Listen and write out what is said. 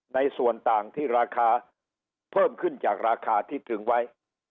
ในส่วนต่างที่ราคาเพิ่มขึ้นจากราคาที่ตึงไว้